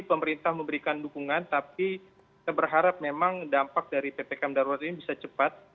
pemerintah memberikan dukungan tapi kita berharap memang dampak dari ppkm darurat ini bisa cepat